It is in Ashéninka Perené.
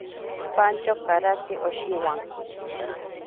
Pantyo karake oshiwanki.